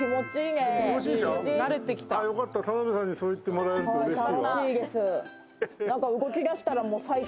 良かった、田辺さんにそう言ってもらうとうれしい。